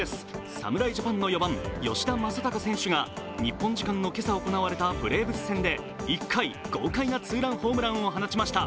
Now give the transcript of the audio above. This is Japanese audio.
侍ジャパンの４番・吉田正尚選手が日本時間の今朝行われたブレーブス戦で１回、豪華なツーランホームランを放ちました。